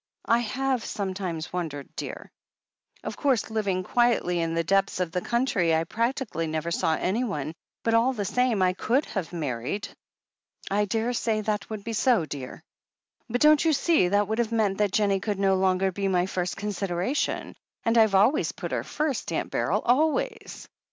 "I have sometimes wondered, dear." "Of course, living quietly in the depths of the coun try, I practically never saw anyone. But all the same — I could have married." "I daresay that would be so, dear." "But don't you see, that would have meant that Jen nie could no longer be my first consideration. And I've always put her first, Aunt Beryl — ^always."